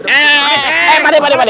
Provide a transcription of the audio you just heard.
eh pak d